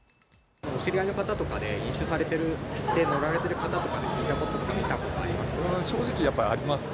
知り合いの方とかで飲酒されて乗られてる方って、聞いたこととか見たことってあります？